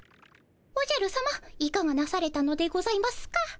おじゃるさまいかがなされたのでございますか？